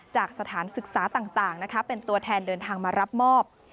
จากสถานศึกษาต่างเป็นตัวแทนเดินทางมารับมอบ